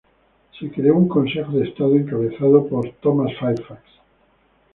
Se creó un Consejo de Estado encabezado por Thomas Fairfax.